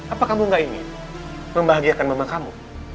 apa kamu gak ingin membahagiakan mama kamu